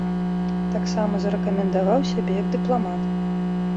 Таксама зарэкамендаваў сябе як дыпламат.